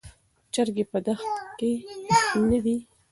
چرګې په دښت کې نه دي.